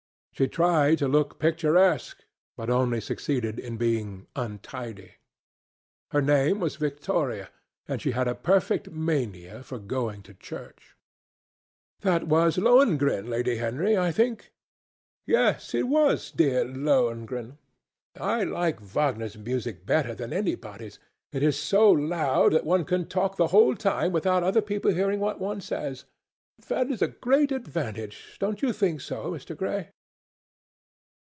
She tried to look picturesque, but only succeeded in being untidy. Her name was Victoria, and she had a perfect mania for going to church. "That was at Lohengrin, Lady Henry, I think?" "Yes; it was at dear Lohengrin. I like Wagner's music better than anybody's. It is so loud that one can talk the whole time without other people hearing what one says. That is a great advantage, don't you think so, Mr. Gray?"